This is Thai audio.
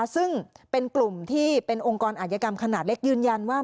ซึ่งเป็นกลุ่มที่เป็นองค์กรอาธิกรรมขนาดเล็กยืนยันว่า